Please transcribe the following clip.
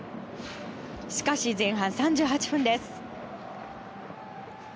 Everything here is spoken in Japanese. しかし、前半３８分です。